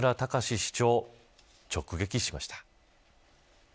市長を直撃しました。